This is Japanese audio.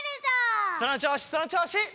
そのちょうしそのちょうし！